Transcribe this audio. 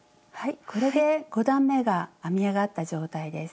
これで５段めが編みあがった状態です。